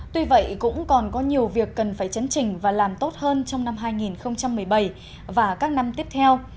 tuy vậy cũng còn có nhiều việc cần phải chấn trình và làm tốt hơn trong năm hai nghìn một mươi bảy và các năm tiếp theo